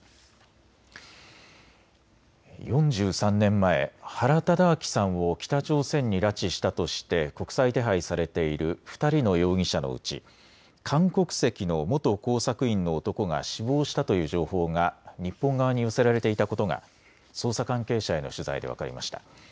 ４３年前、原敕晁さんを北朝鮮に拉致したとして国際手配されている２人の容疑者のうち韓国籍の元工作員の男が死亡したという情報が日本側に寄せられていたことが捜査関係者への取材で分かりました。